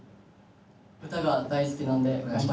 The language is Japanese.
歌が大好きなんで頑張ります。